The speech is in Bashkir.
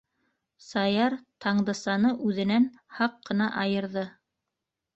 Саяр Таңдысаны үҙенән һаҡ ҡына айырҙы: